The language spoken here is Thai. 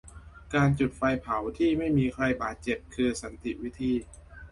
การจุดไฟเผาที่ไม่มีใครบาดเจ็บ คือสันติวิธี